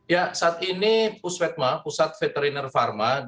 ya saat ini pusvetma pusat veteriner pharma